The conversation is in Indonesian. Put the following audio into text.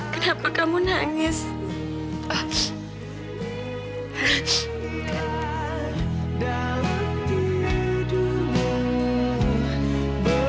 kenapa kamu mau meninggalkan sisi wayius como lo